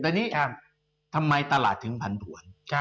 แต่นี้ทำไมตลาดถึงพันธุ์หวน